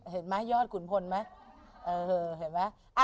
เห็นไหมยอดขุนพลไหมเออเห็นไหม